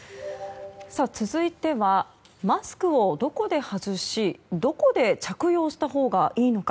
続いては、マスクをどこで外しどこで着用したほうがいいのか。